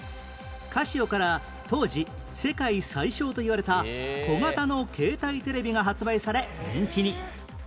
カシオから当時世界最小といわれた小型の携帯テレビが発売され人気に